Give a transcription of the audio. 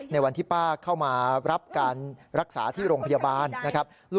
ในวันที่ป้าเข้ามารับการรักษาที่โรงพยาบาลนะครับ